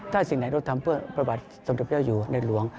ถ้าสิ่งไหนเราทำเพื่อประวัติศักดิ์วิทยาลัยอยู่ในหลวง